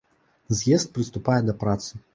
З'езд прыступае да працы.